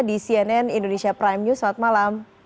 di cnn indonesia prime news selamat malam